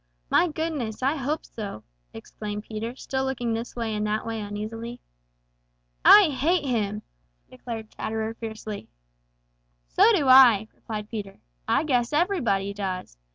My goodness, I hope so!" exclaimed Peter, still looking this way and that way uneasily. "I hate him!" declared Chatterer fiercely. "So do I," replied Peter. "I guess everybody does.